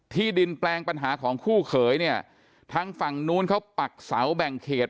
ที่ดินแปลงปัญหาของคู่เขยเนี่ยทางฝั่งนู้นเขาปักเสาแบ่งเขต